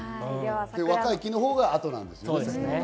若い木の方が後なんですよね。